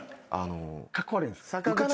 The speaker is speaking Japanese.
カッコ悪いんですか？